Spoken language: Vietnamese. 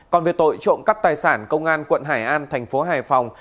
còn về tội trộm cắp tài sản công an quận hải an tp hải phòng